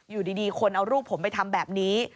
อยู่ดีคนเอารูปผมไปทำแบบนี้